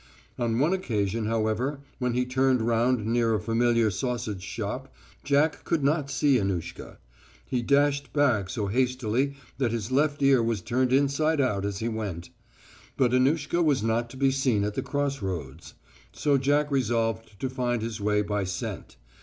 On one occasion, however, when he turned round near a familiar sausage shop, Jack could not see Annushka. He dashed back so hastily that his left ear was turned inside out as he went. But Annushka was not to be seen at the cross roads. So Jack resolved to find his way by scent.